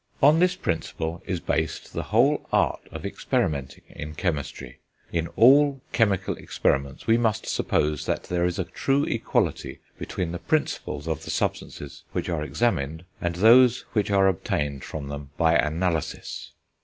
On this principle is based the whole art of experimenting in chemistry; in all chemical experiments we must suppose that there is a true equality between the principles of the substances which are examined and those which are obtained from them by analysis."